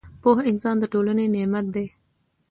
پوه انسان د ټولنې نعمت دی